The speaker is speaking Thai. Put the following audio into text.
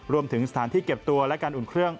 รวมถึงสถานที่เก็บตัวและการอุ่นเครื่อง